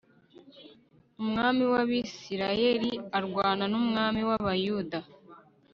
umwami w abisirayeli arwana n'umwami w abayuda